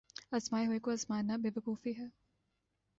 آزمائے ہوئے کو آزمانا بے وقوفی ہے۔